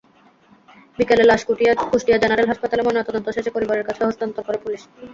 বিকেলে লাশ কুষ্টিয়া জেনারেল হাসপাতালে ময়নাতদন্ত শেষে পরিবারের কাছে হস্তান্তর করে পুলিশ।